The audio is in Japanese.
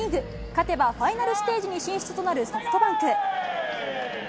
勝てばファイナルステージに進出となるソフトバンク。